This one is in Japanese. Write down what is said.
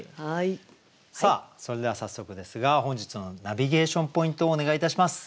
さあそれでは早速ですが本日のナビゲーションポイントをお願いいたします。